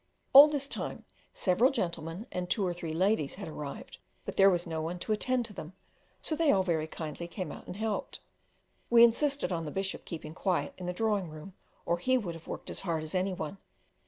All this time several gentlemen and two or three ladies had arrived, but there was no one to attend to them, so they all very kindly came out and helped. We insisted on the Bishop keeping quiet in the drawing room, or he would have worked as hard as any one.